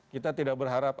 kita tidak berharap